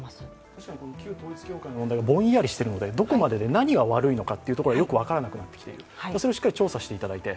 確かに、旧統一教会の問題がぼんやりとしているので何が悪いのかというところがよく分からなくなってきている、それをしっかり調査していただいて。